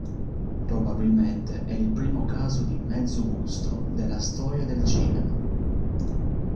Probabilmente è il primo caso di "mezzo busto" della storia del cinema.